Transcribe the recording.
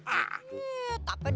eh tak apa de